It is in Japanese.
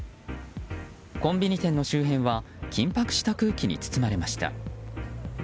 コンビニ店の周辺は緊迫した空気に包まれました。